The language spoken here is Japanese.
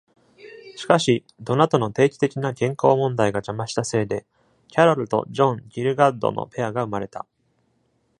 しかし、ドナトの定期的な健康問題が邪魔したせいで、キャロルとジョン・ギルガッドのペアが生まれた。